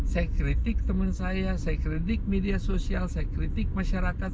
saya kritik teman saya saya kritik media sosial saya kritik masyarakat